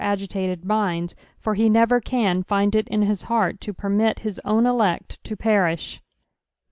agit&ted minds, for he never can find it in his bcart to permit bic own elect to perish.